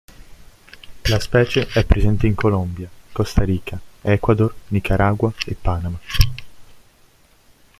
La specie è presente in Colombia, Costa Rica, Ecuador, Nicaragua e Panama.